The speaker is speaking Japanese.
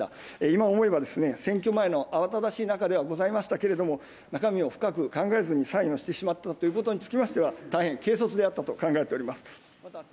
今思えば、選挙前の慌ただしい中ではございましたけれども、中身を深く考えずにサインをしてしまったということにつきましては、大変軽率であったと考えております。